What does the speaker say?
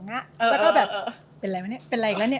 แล้วก็แบบเป็นอะไรเหรอเป็นอะไรนะเนี่ย